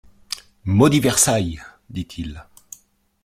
«Maudit Versailles ! dit-il.